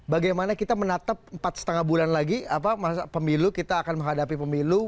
bagaimana kita menatap empat lima bulan lagi masa pemilu kita akan menghadapi pemilu